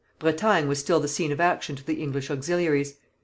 Bretagne was still the scene of action to the English auxiliaries.